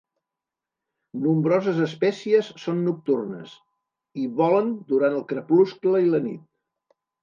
Nombroses espècies són nocturnes i volent durant el crepuscle i la nit.